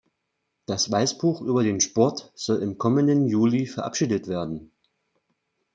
Das Weißbuch über den Sport soll im kommenden Juli verabschiedet werden.